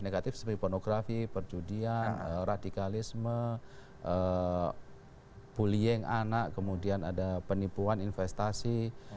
negatif seperti pornografi perjudian radikalisme bullying anak kemudian ada penipuan investasi